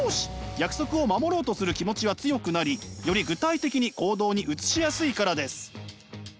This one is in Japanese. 約束を守ろうとする気持ちは強くなりより具体的に行動に移しやすいからです。